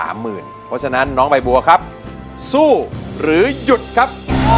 เพราะฉะนั้นน้องใบบัวครับสู้หรือหยุดครับ